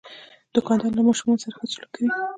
دوکاندار له ماشومان سره ښه سلوک کوي.